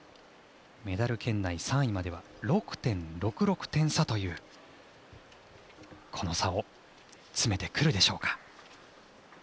メダル圏内３位までは６．６６点差という差を詰めてくるでしょうか。